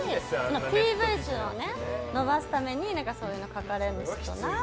ＰＶ数を伸ばすためにそういうふうに書かれるのは。